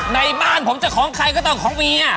ในบ้านผมจะของใครก็ต้องของเมีย